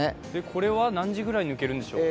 これは何時くらいに抜けるんでしょうか？